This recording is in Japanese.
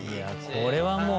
これはもう。